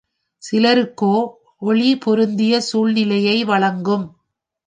சிலருக்கோ ஒளி பொருந்திய சூழ்நிலையை வழங்கும்.